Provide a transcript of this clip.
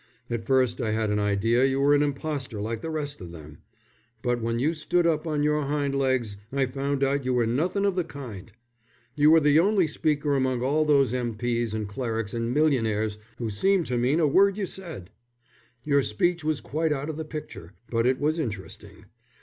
At first I had an idea you were an impostor like the rest of them, but when you stood up on your hind legs I found out you were nothin' of the kind. You were the only speaker among all those M.P.'s and clerics and millionaires who seemed to mean a word you said. Your speech was quite out of the picture, but it was interesting.